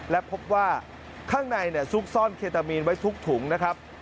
และพบว่าข้างในซุกซ่อนเคตามีนไว้ทุกถุงนะครับ